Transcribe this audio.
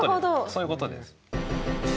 そういうことです。